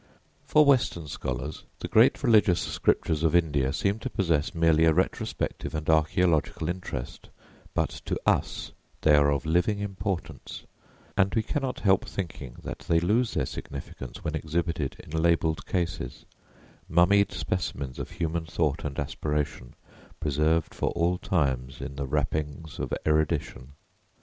For western scholars the great religious scriptures of India seem to possess merely a retrospective and archælogical interest; but to us they are of living importance, and we cannot help thinking that they lose their significance when exhibited in labelled cases mummied specimens of human thought and aspiration, preserved for all time in the wrappings of erudition.